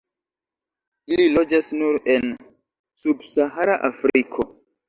Ili loĝas nur en subsahara Afriko.